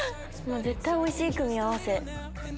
絶対おいしい組み合わせ。